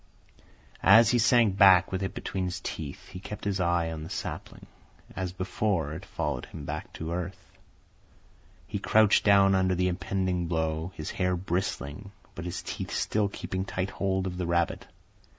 As he sank back with it between his teeth, he kept his eye on the sapling. As before, it followed him back to earth. He crouched down under the impending blow, his hair bristling, but his teeth still keeping tight hold of the rabbit.